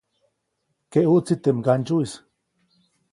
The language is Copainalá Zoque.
Keʼuʼtsi teʼ mgandsyuʼis.